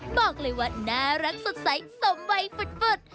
บอกเลยว่าน่ารักสดใสสมวัยฝุด